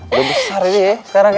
udah besar ini ya sekarang ya